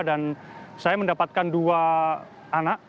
dan saya mendapatkan dua anak